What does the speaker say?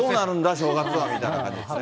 正月はみたいな感じですね。